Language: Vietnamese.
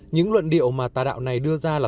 những luận điệu mà tà đạo này đưa ra là